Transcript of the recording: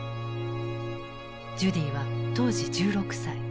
ジュディは当時１６歳。